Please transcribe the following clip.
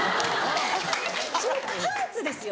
そのパンツですよ